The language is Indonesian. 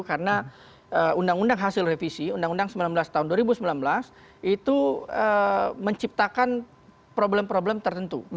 karena undang undang hasil revisi undang undang sembilan belas tahun dua ribu sembilan belas itu menciptakan problem problem tertentu